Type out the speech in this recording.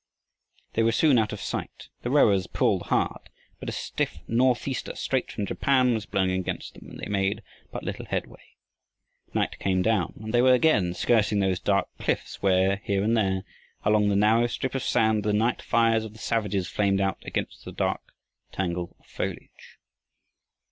They were soon out of sight. The rowers pulled hard, but a stiff northeaster straight from Japan was blowing against them, and they made but little headway. Night came down, and they were again skirting those dark cliffs, where, here and there, along the narrow strip of sand, the night fires of the savages flamed out against the dark tangle of foliage.